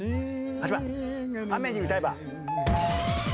８番雨に唄えば。